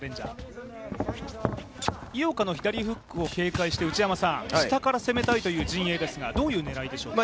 井岡の左フックを警戒して下から攻めたいという陣営ですが、どういう狙いでしょうか。